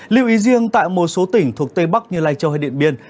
lưu ý riêng tại một số tỉnh thuộc tây bắc như lai châu hay điện biên